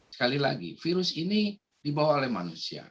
sekali lagi virus ini dibawa oleh manusia